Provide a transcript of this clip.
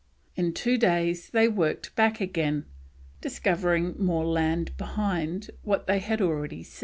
In two days they worked back again, discovering more land behind what they had seen already.